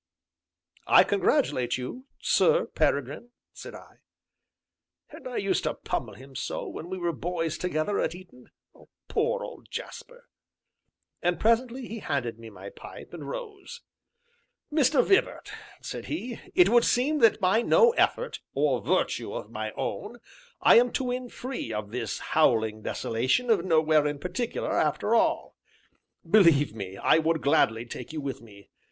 "I congratulate you, Sir Peregrine," said I. "And I used to pummel him so, when we were boys together at Eton poor old Jasper!" And, presently, he handed me my pipe, and rose. "Mr. Vibart," said he, "it would seem that by no effort, or virtue of my own, I am to win free of this howling desolation of Nowhere in Particular, after all; believe me, I would gladly take you with me.